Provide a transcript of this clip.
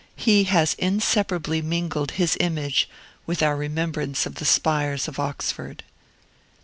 He has inseparably mingled his image with our remembrance of the Spires of Oxford.